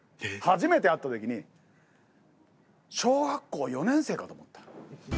初めて会った時に小学校４年生かと思った。